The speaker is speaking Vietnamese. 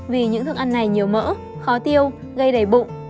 vì những thức ăn này nhiều mỡ khó tiêu gây đầy bụng